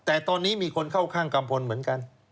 แต่ตอนนี้มีคนเข้าข้างกัมพลเหมือนกัน